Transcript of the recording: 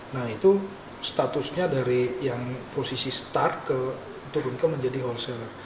nah itu statusnya dari yang posisi start turun ke menjadi wholesale